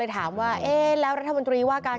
สวัสดีค่ะ